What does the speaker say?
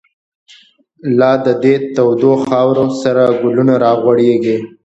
لاددی دتودوخاورو، سره ګلونه راغوړیږی